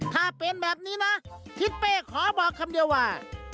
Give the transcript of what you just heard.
ถ้าเป็นแบบนี้นะทิศเป้ขอบอกคำเดียวว่า